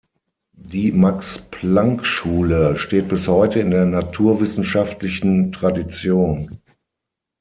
Die Max-Planck-Schule steht bis heute in dieser naturwissenschaftlichen Tradition.